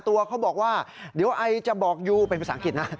ตัวเขาบอกว่าเดี๋ยวไอจะบอกยูเป็นภาษาอังกฤษนะ